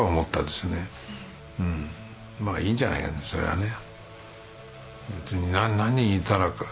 まあいいんじゃないかなそれはね。